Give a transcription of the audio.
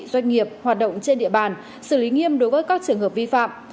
doanh nghiệp hoạt động trên địa bàn xử lý nghiêm đối với các trường hợp vi phạm